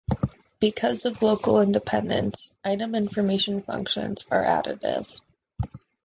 Because of local independence, item information functions are additive.